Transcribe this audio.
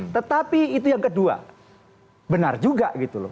tetapi itu yang kedua benar juga gitu loh